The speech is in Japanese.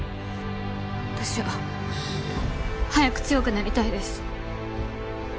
私は早く強くなりたいです。